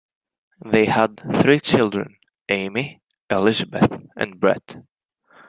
They had three children: Amy, Elizabeth, and Brett.